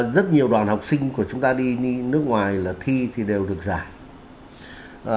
rất nhiều đoàn học sinh của chúng ta đi nước ngoài là thi thì đều được giải